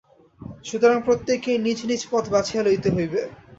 সুতরাং প্রত্যেককেই নিজ নিজ পথ বাছিয়া লইতে হইবে।